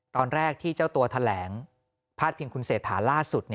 ตอนแรกที่เจ้าตัวแถลงพาดพิงคุณเศรษฐาล่าสุด